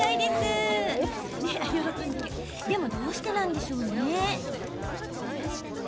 でも、どうしてなんでしょうね？